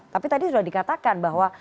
tapi tadi sudah dikatakan bahwa